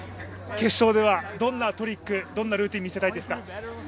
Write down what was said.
決勝では、どんなトリックどんなルーティーン見せたいですか？